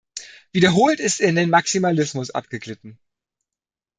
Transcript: Wiederholt ist er in den Maximalismus abgeglitten.